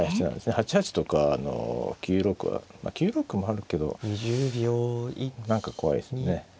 ８八とか９六はまあ９六もあるけど何か怖いですね。